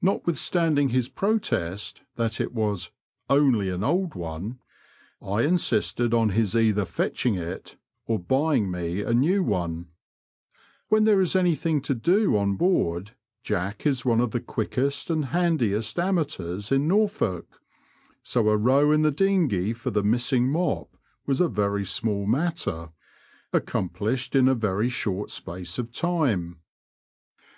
Notwithstanding his protest that it was '*only an old one," I insisted on his either fetching it or buying me a new one. When there is anything to do on Digitized by VjOOQIC HORNING TO POTTER HEIGHAM AND WAXHAM. 77 board, Jack is one of the quickest and handiest amateurs in Norfolk, so a row in the dioghey for the missing mop was a very small matter, accomplished in a very short space of time.